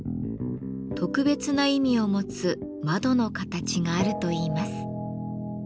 特別な意味を持つ「窓の形」があるといいます。